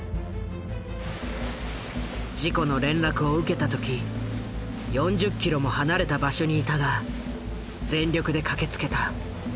事故の連絡を受けた時４０キロも離れた場所にいたが全力で駆けつけた。